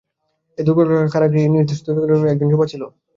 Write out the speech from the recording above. এই অন্ধকার কারাগৃহে, এই নিষ্ঠুর দস্যুদিগের মধ্যে একজন যুবা ছিল।